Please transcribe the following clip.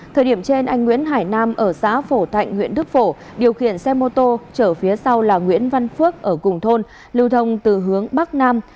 thời điểm trên anh nguyễn hải nam ở xã phổ thạnh huyện đức phổ điều khiển xe mô tô chở phía sau là nguyễn văn phước ở cùng thôn lưu thông từ hướng bắc nam